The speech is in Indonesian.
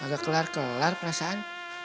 kagak kelar kelar perasaan